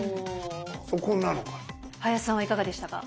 林さんはいかがでしたか？